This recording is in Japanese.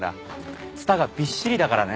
ツタがびっしりだからね。